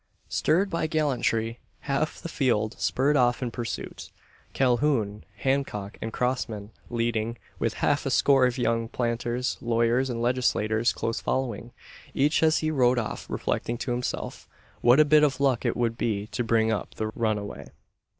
Stirred by gallantry, half the field spurred off in pursuit. Calhoun, Hancock, and Crossman leading, with half a score of young planters, lawyers, and legislators close following each as he rode off reflecting to himself, what a bit of luck it would be to bring up the runaway.